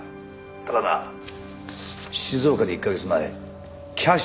ただな静岡で１カ月前キャッシュで車を購入してる。